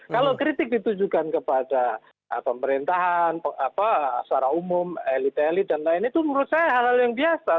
kalau kritik ditujukan kepada pemerintahan secara umum elit elit dan lain itu menurut saya hal hal yang biasa